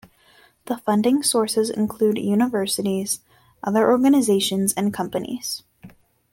The funding sources include universities, other organisations and companies.